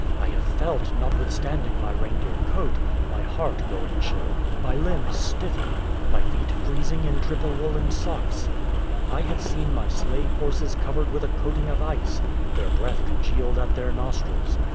I have felt, notwithstanding my reindeer coat, my heart growing chill, my limbs stiffening, my feet freezing in triple woolen socks; I have seen my sleigh horses covered with a coating of ice, their breath congealed at their nostrils.